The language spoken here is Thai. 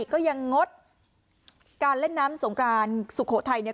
ก็ยังงดการเล่นน้ำสงกรานสุโขทัยเนี่ย